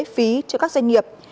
phí cho các doanh nghiệp